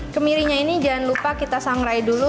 kemirinya ini jangan lupa kita sangrai dulu